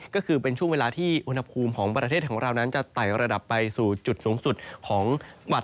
ก็คือเป็นช่วงเวลาที่อุณหภูมิของประเทศของเรานั้นจะไต่ระดับไปสู่จุดสูงสุดของหวัด